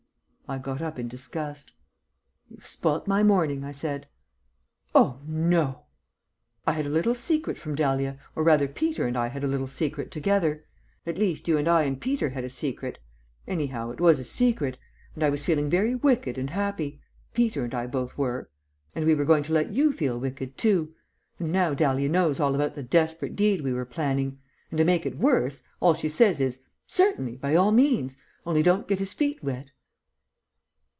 I got up in disgust. "You've spoilt my morning," I said. "Oh, no!" "I had a little secret from Dahlia, or rather Peter and I had a little secret together; at least, you and I and Peter had a secret. Anyhow, it was a secret. And I was feeling very wicked and happy Peter and I both were; and we were going to let you feel wicked too. And now Dahlia knows all about the desperate deed we were planning, and, to make it worse, all she says is, 'Certainly! By all means! Only don't get his feet wet.'